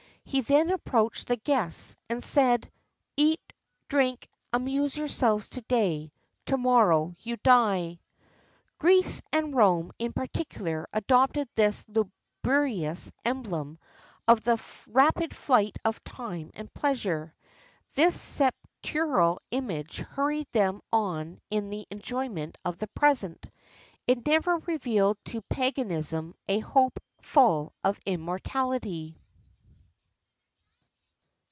He then approached the guests, and said: "Eat, drink, amuse yourselves to day; to morrow you die."[XXXIV 32] Greece, and Rome in particular, adopted this lugubrious emblem of the rapid flight of time and pleasure. This sepulchral image hurried them on in the enjoyment of the present: it never revealed to paganism a "hope full of immortality."